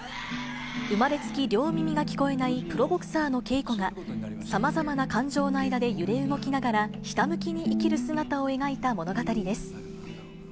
生まれつき両耳が聞こえない、プロボクサーのケイコが、さまざまな感情の間で揺れ動きながら、ひたむきに生きる姿を描いた物語です。